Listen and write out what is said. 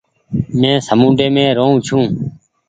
مين سامونڊي مين رهون ڇون ۔